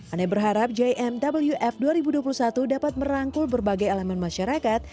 ane berharap jmwf dua ribu dua puluh satu dapat merangkul berbagai elemen masyarakat